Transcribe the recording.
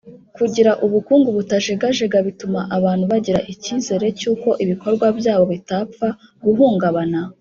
kugira ubukungu butajegajega bituma abantu bagira icyizere cy'uko ibikorwa byabo bitapfa guhungabana.